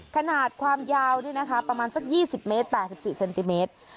ขนาดความยาวนี่นะคะประมาณสัก๒๐เมตร๘๔เซนติเมตร